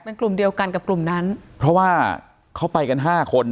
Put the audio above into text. เป็นกลุ่มเดียวกันกับกลุ่มนั้นเพราะว่าเขาไปกันห้าคน